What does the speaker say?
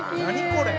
これ。